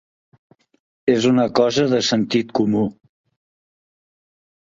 És una cosa de sentit comú.